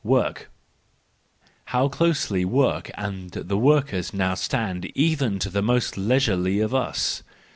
Work ,—How close work and the workers now stand even to the most leisurely of us!